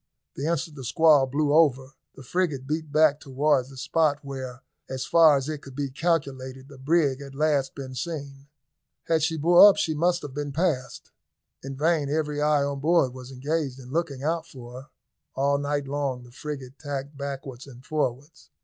The instant the squall blew over, the frigate beat back towards the spot where, as far as it could be calculated, the brig had last been seen. Had she bore up she must have been passed. In vain every eye on board was engaged in looking out for her. All night long the frigate tacked backwards and forwards.